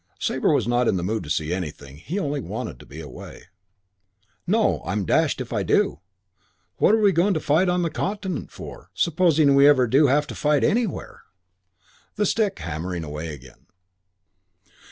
Sabre was not in the mood to see anything. He only wanted to be away. "No, I'm dashed if I do. What are we going to fight on the Continent for supposing we ever do have to fight anywhere?" The stick hammered away again.